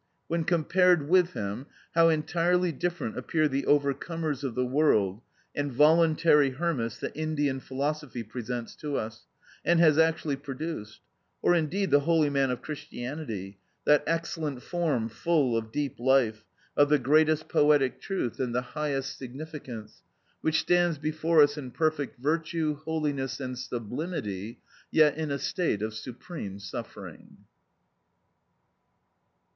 When compared with him, how entirely different appear the overcomers of the world, and voluntary hermits that Indian philosophy presents to us, and has actually produced; or indeed, the holy man of Christianity, that excellent form full of deep life, of the greatest poetic truth, and the highest significance, which stands before us in perfect virtue, holiness, and sublimity, yet in a state of supreme suffering.